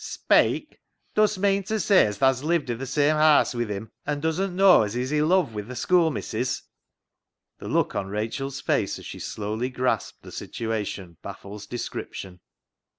"" Speik ! Dust meean ta say as thaa's lived i' th' same haase wi' him an' doesn't knaw as he's i' luv wi' th' schoo'missis ?" The look on Rachel's face as she slowly grasped the situation baffles description.